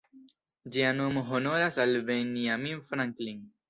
Ĝia nomo honoras al Benjamin Franklin.